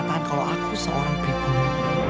katakan kalau aku seorang pribumi